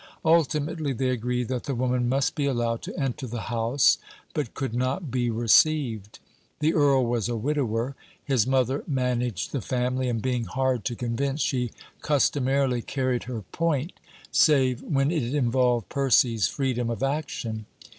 Ultimately they agreed that the woman must be allowed to enter the house, but could not be received. The earl was a widower; his mother managed the family, and being hard to convince, she customarily carried her point, save when it involved Percy's freedom of action.